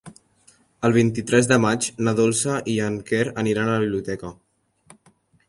El vint-i-tres de maig na Dolça i en Quer aniran a la biblioteca.